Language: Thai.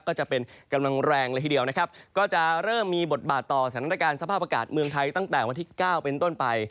ก็จะเป็นกำลังแรงเลยทีเดียวนะครับก็จะเริ่มมีบทบาทต่อสถานการณ์สภาพอากาศเมืองไทยตั้งแต่วันที่เก้าเป็นต้นไป